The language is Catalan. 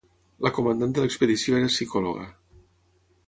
La comandant de l'expedició era psicòloga.